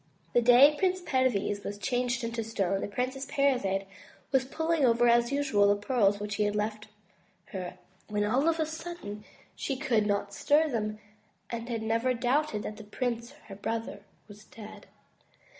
The day that Prince Perviz was changed to stone, the Princess Parizade was pulling over as usual the pearls which he had left her, when all of a sudden she could not stir them, and never doubted that the prince, her brother, was dead.